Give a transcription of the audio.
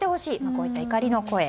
こういった怒りの声。